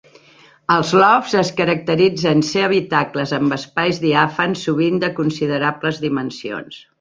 Els lofts es caracteritzen ser habitacles amb espais diàfans, sovint de considerables dimensions.